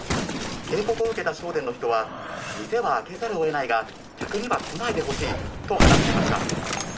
警告を受けた商店の人は、店は開けざるを得ないが、客には来ないでほしいと話していました。